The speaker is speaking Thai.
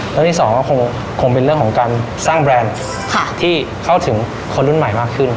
เรื่องที่สองก็คงเป็นเรื่องของการสร้างแบรนด์ที่เข้าถึงคนรุ่นใหม่มากขึ้น